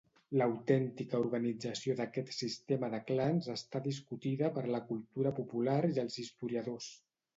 L’autèntica organització d’aquest sistema de clans està discutida per la cultura popular i els historiadors.